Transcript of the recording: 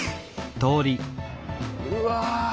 うわ。